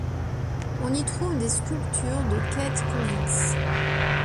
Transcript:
On y trouve des sculptures de Käthe Kollwitz.